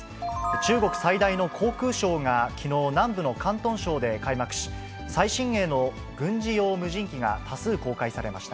中国最大の航空ショーがきのう、南部の広東省で開幕し、最新鋭の軍事用無人機が多数公開されました。